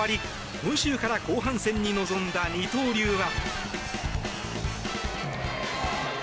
今週から後半戦に臨んだ二刀流は。